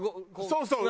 そうそう。